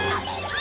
あ！